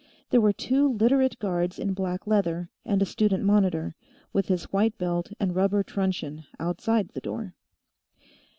There were two Literate guards in black leather, and a student monitor, with his white belt and rubber truncheon, outside the door.